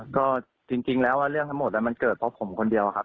ก็จริงแล้วว่าเรื่องทั้งหมดมันเกิดเพราะผมคนเดียวครับ